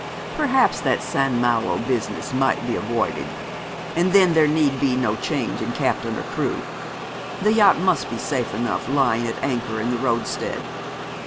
Perhaps that St. Malo business might be avoided; and then there need be no change in captain or crew. The yacht must be safe enough lying at anchor in the roadstead.